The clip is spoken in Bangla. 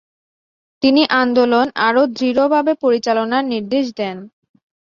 তিনি আন্দোলন আরো দৃঢভাবে পরিচালনার নির্দেশ দেন।